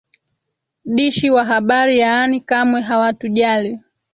dishi wa habari yaani kamwe hawatujali